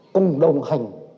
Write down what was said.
cùng đồng hành